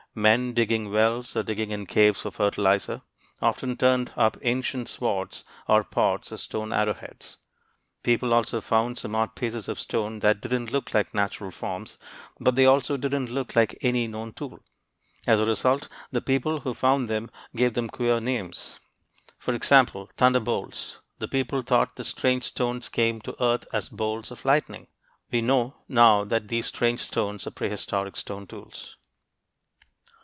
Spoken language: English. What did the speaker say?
Men digging wells, or digging in caves for fertilizer, often turned up ancient swords or pots or stone arrowheads. People also found some odd pieces of stone that didn't look like natural forms, but they also didn't look like any known tool. As a result, the people who found them gave them queer names; for example, "thunderbolts." The people thought the strange stones came to earth as bolts of lightning. We know now that these strange stones were prehistoric stone tools.